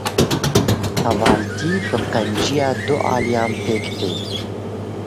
Hevaltî bi qenciya du aliyan pêk te.